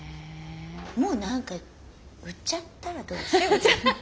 もう何か売っちゃったらどうですか？